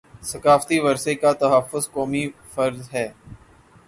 ثقافتی ورثے کا تحفظ قومی فرض ہے